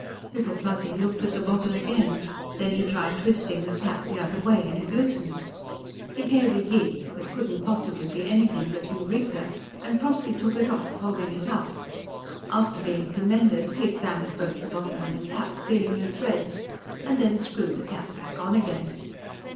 Little Fuzzy looked at the bottle again. Then he tried twisting the cap the other way, and it loosened. He gave a yeek that couldn't possibly be anything but "Eureka!" and promptly took it off, holding it up. After being commended, he examined both the bottle and the cap, feeling the threads, and then screwed the cap back on again.